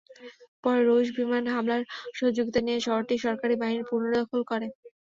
পরে রুশ বিমান হামলার সহযোগিতা নিয়ে শহরটি সরকারি বাহিনী পুনর্দখল করে।